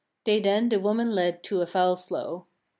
They then the woman led to a foul slough.